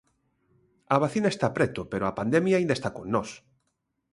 A vacina está preto pero a pandemia aínda está con nós.